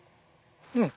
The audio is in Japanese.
うん。